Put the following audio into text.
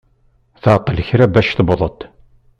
Tɛeṭṭel kra bac tewweḍ-d.